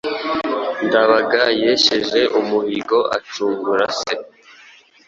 Ndabaga yesheje umuhigo acungura se